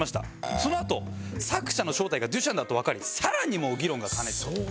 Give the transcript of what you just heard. そのあと作者の正体がデュシャンだとわかりさらに議論が過熱。